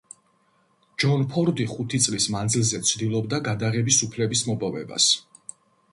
ჯონ ფორდი ხუთი წლის მანძილზე ცდილობდა გადაღების უფლების მოპოვებას.